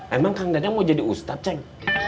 emang kang kadang mau jadi ustadz ceng